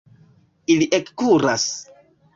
Ili ekkuras.